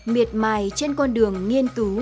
miệt mài trên con đường nghiên cứu